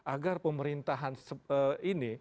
agar pemerintahan ini